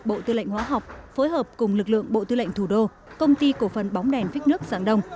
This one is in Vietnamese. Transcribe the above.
bộ tư lệnh hóa học phối hợp cùng lực lượng bộ tư lệnh thủ đô công ty cổ phần bóng đèn phích nước giảng đông